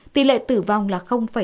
tỷ lệ tử vong là một mươi sáu